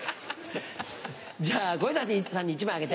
じゃあ小遊三さんに１枚あげて。